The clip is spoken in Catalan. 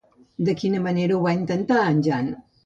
De quina manera ho va intentar en Jan?